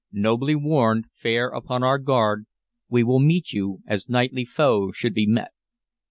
Nobly warned, fair upon our guard, we will meet you as knightly foe should be met."